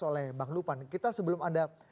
oleh bang lupan kita sebelum anda